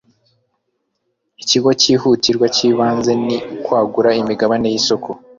ikigo cyihutirwa cyibanze ni kwagura imigabane yisoko